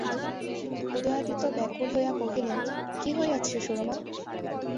উদয়াদিত্য ব্যাকুল হইয়া কহিলেন, কী হইয়াছে সুরমা?